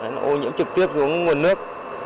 nó ô nhiễm trực tiếp xuống nguồn nước